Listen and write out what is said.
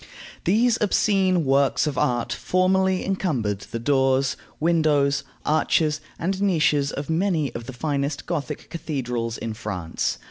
These obscene works of art formerly encumbered the doors, windows, arches, and niches of many of the finest Gothic cathedrals in France.